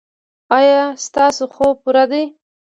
ایا ستاسو خوب پوره دی؟